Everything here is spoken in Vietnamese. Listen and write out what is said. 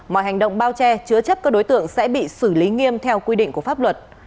mọi hành động bao che chứa chấp các đối tượng sẽ bị xử lý nghiêm theo quy định của pháp luật